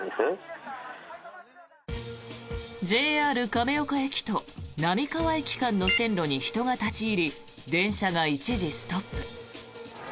ＪＲ亀岡駅と並河駅間の線路に人が立ち入り電車が一時ストップ。